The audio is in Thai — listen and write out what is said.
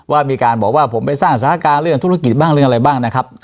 ว่ามีการบอกว่าผมไปสร้างสถานการณ์เรื่องธุรกิจบ้างเรื่องอะไรบ้างนะครับ